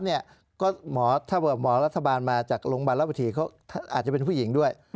ถ้าหมอรัฐบาลมาจากโรงบาลรัฐบาลเขาอาจจะเป็นผู้หญิงด้วย